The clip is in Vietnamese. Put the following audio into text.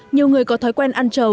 nhiều người có thói quen ăn trầu